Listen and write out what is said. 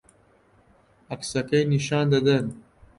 عەکسەکەی نیشان دەدەن